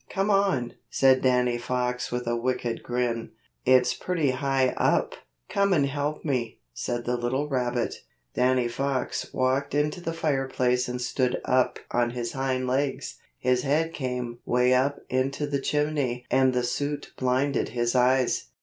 "Come on," said Danny Fox with a wicked grin. "It's pretty high up. Come and help me," said the little rabbit. Danny Fox walked into the fireplace and stood up on his hind legs. His head came 'way up into the chimney and the soot blinded his eyes.